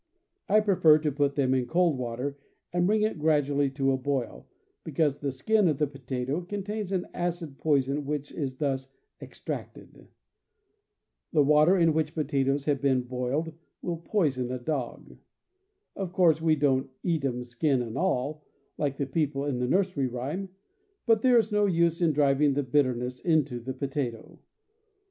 I pre fer to put them in cold water and bring it gradually to a boil, because the skin of the potato contains an acid poison which is thus extracted. The water in which potatoes have been boiled will poison a dog. Of course we don't "eat 'em skin and all," like the people in the nursery rhyme; but there is no use in driving the bit terness into a potato.